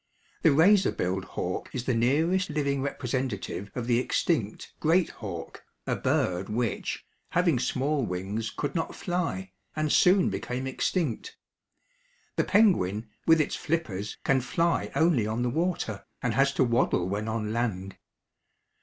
The razor billed hawk is the nearest living representative of the extinct great hawk, a bird which, having small wings, could not fly, and soon became extinct. The penguin, with its flippers, can fly only on the water, and has to waddle when on land.